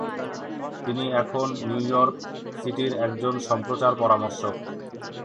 তিনি এখন New York সিটির একজন সম্প্রচার পরামর্শক।